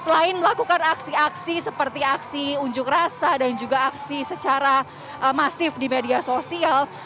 selain melakukan aksi aksi seperti aksi unjuk rasa dan juga aksi secara masif di media sosial